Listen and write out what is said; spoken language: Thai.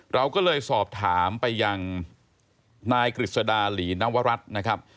เราก็เลยสอบถามไปยังนายกฤษดาหลีนวรัฐนะครับ